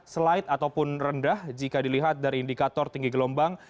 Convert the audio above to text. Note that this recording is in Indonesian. slide ataupun rendah jika dilihat dari indikator tinggi gelombang